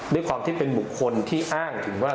ด้วยความที่เป็นบุคคลที่อ้างถึงว่า